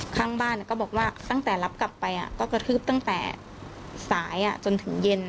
ข้างบ้านก็บอกว่าตั้งแต่รับกลับไปก็กระทืบตั้งแต่สายจนถึงเย็น